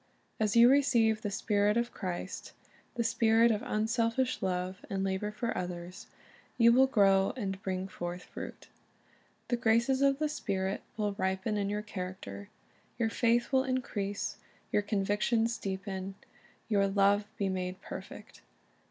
As you receive the Spirit of Christ, — the spirit ' IS brought forth, unjnediate/y he putteth i}i the sickle,' of unselfish love and labor for others, — you will grow and bring forth fruit. The graces of the Spirit will ripen in your character. Your faith will increase, your convictions deepen, your love be made perfect.